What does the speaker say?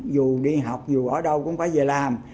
dù đi học dù ở đâu cũng phải về làm